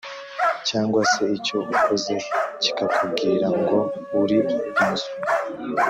cyangwa se icyo ukoze kikakubwira ngo «uri umuswa!»